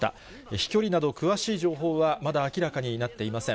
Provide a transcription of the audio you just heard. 飛距離など詳しい情報はまだ明らかになっていません。